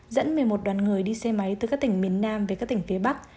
dẫn một mươi một đoàn người đi xe máy từ các tỉnh miền nam về các tỉnh phía bắc